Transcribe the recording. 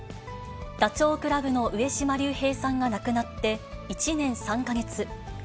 ダチョウ倶楽部の上島竜兵さんが亡くなって１年３か月。